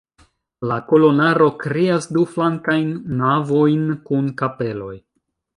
La kolonaro kreas du flankajn navojn kun kapeloj.